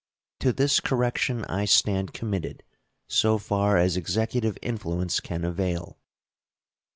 To this correction I stand committed, so far as Executive influence can avail.